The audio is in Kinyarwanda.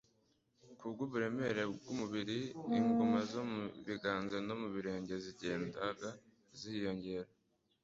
Kubw'uburemere bw'umubiri, inguma zo mu biganza no ku birenge zagendaga ziyongera,